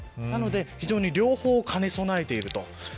なので両方を兼ね備えていると。